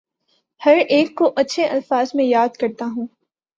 ہر ایک کو اچھے الفاظ میں یاد کرتا ہوں